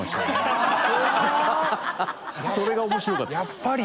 それが面白かった。